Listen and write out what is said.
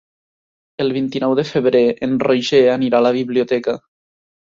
El vint-i-nou de febrer en Roger anirà a la biblioteca.